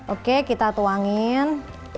oke kita tuangin